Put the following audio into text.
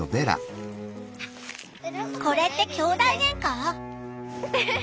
これってきょうだいゲンカ？